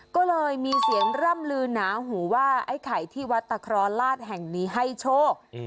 ก็เลยมีเสียงร่ำลือหนาหูว่าไอ้ไข่ที่วัดตะครอราชแห่งนี้ให้โชค